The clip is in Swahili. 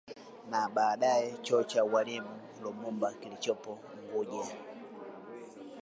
Na baadaye chuo cha ualimu Lumumba kilichopo unguja